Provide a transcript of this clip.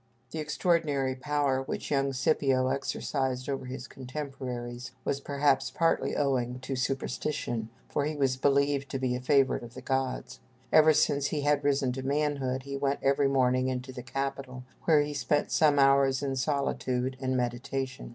The extraordinary power which young Scipio exercised over his contemporaries was perhaps partly owing to superstition, for he was believed to be a favorite of the gods. Ever since he had risen to manhood, he went every morning into the Capitol, where he spent some hours in solitude and meditation.